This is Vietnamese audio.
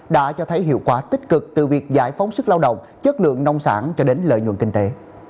đã cho thấy hiệu quả tích cực từ việc giải phóng sức lao động chất lượng nông sản cho đến lợi nhuận kinh tế